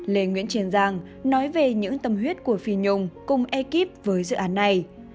lê nguyễn triền giang nói về những tâm huyết của phi nhung cùng ekip với dự án này